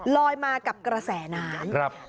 ลอยมากับกระแสน้ำ